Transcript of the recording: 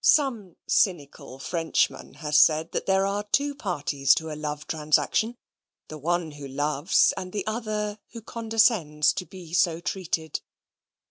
Some cynical Frenchman has said that there are two parties to a love transaction: the one who loves and the other who condescends to be so treated.